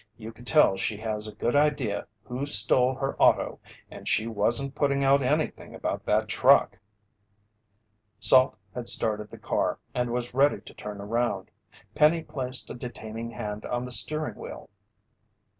You could tell she has a good idea who stole her auto, and she wasn't putting out anything about that truck." Salt had started the car and was ready to turn around. Penny placed a detaining hand on the steering wheel.